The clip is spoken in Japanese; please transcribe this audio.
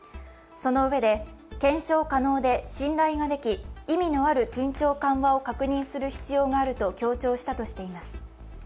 そのうえで、検証可能で信頼ができ意味のある緊張緩和を確認する必要があると主張したとされます。